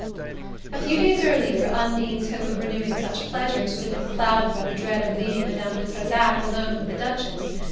A few days earlier, Undine's hope of renewing such pleasures would have been clouded by the dread of leaving Madame de Trezac alone with the Duchess.